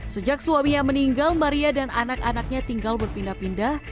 sejak suaminya meninggal maria dan anak anaknya tinggal berpindah pindah